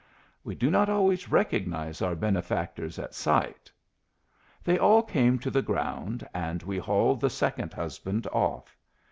We do not always recognize our benefactors at sight. They all came to the ground, and we hauled the second husband off.